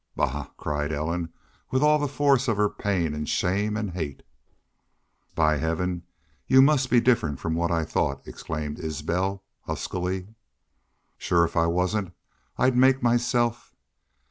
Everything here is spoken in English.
"Bah!" cried Ellen, with all the force of her pain and shame and hate. "By Heaven, you must be different from what I thought!" exclaimed Isbel, huskily. "Shore if I wasn't, I'd make myself....